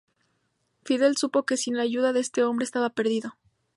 Fidel supo que sin la ayuda de este hombre estaba perdido.